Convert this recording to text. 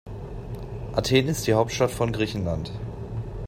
Athen ist die Hauptstadt von Griechenland.